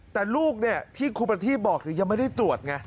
แต่ลูกที่ครูปฤธิบอกยังไม่ได้ตรวจ